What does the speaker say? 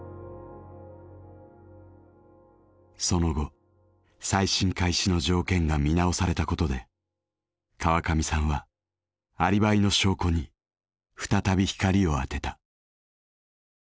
その後再審開始の条件が見直されたことで河上さんはアリバイの証拠に再び光を当てた。